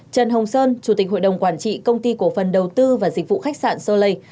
trần hồng sơn chủ tịch hội đồng quản trị công ty cổ phần đầu tư và dịch vụ khách sạn solei